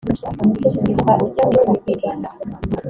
Ibuka ujye wibuka kwirinda